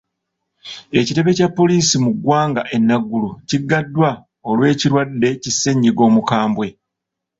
Ekitebe kya poliisi mu ggwanga e Naguru kiggaddwa olw’ekirwadde ki ssennyiga omukambwe.